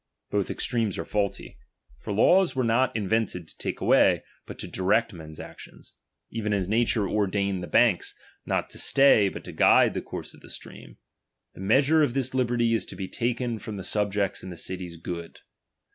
Both extremes are faulty ; for lavFS were not invented to take away, but to direct men's actions ; even as nature ordained the banks, not to stay, but to guide the course of the stream. The measure of this liberty is to be taken from the subjects' and the city's good.